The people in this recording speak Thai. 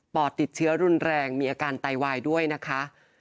อดติดเชื้อรุนแรงมีอาการไตวายด้วยนะคะ